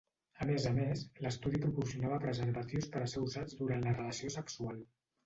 A més a més, l'estudi proporcionava preservatius per a ser usats durant la relació sexual.